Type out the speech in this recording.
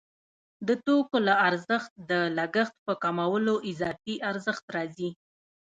د توکو له ارزښت د لګښت په کمولو اضافي ارزښت راځي